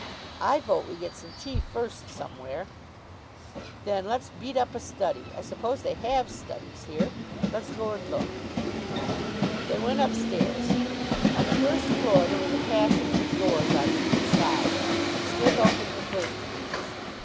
"I vote we get some tea first somewhere." "Then let's beat up a study. I suppose they have studies here. Let's go and look." They went upstairs. On the first floor there was a passage with doors on either side. Psmith opened the first of these.